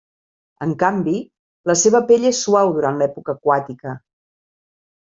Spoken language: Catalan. En canvi, la seva pell és suau durant l'època aquàtica.